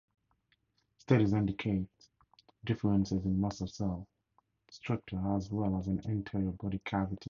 Studies indicate differences in muscle cell structure as well as an anterior body cavity.